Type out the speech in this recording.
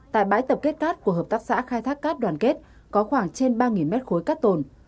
tại bãi tập kết cát của hợp tác xã khai thác cát đoàn kết có khoảng trên ba mét khối cát tồn